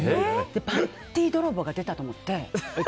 パンティー泥棒が出たと思って。